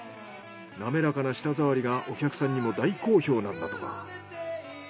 滑らかな舌触りがお客さんにも大好評なんだとか。